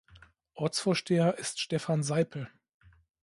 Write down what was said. Ortsvorsteher ist Stefan Seipel.